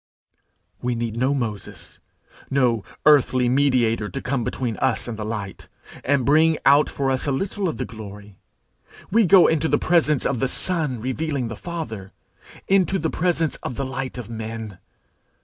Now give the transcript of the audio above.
'We need no Moses, no earthly mediator, to come between us and the light, and bring out for us a little of the glory. We go into the presence of the Son revealing the Father into the presence of the Light of men.